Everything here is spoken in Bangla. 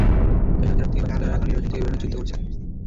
তাই লজ্জার হাত থেকে বাঁচতে তারা এখন নির্বাচন থেকে বেরোনোর চিন্তা করছে।